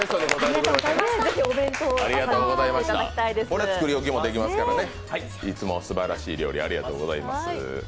これ作り置きもできるからね、いつもすばらしい料理ありがとうございます。